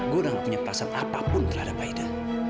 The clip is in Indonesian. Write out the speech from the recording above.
gue gak punya perasaan apapun terhadap aida